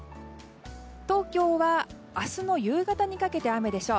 東京は明日の夕方にかけて雨でしょう。